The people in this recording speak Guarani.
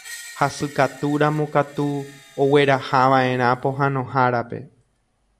Hasykatúramo katu oguerahava'erã pohãnohárape.